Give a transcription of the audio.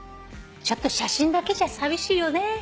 ちょっと写真だけじゃ寂しいよね。